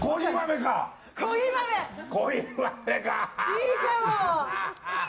いいかも！